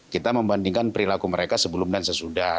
kita membandingkan perilaku mereka sebelum dan sesudah